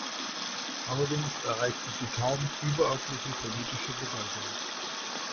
Allerdings erreichte sie kaum überörtliche politische Bedeutung.